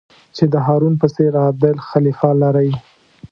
چې د هارون په څېر عادل خلیفه لرئ.